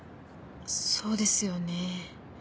そうですよね。